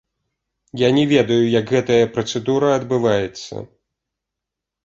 Я не ведаю, як гэтая працэдура адбываецца.